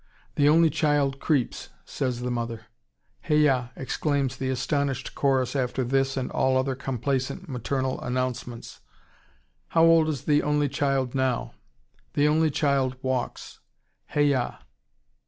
"The only child creeps," says the mother. "Hay a a!" exclaims the astonished chorus after this and all other complacent maternal announcements. "How old is the only child now?" "The only child walks." "Hay a a!"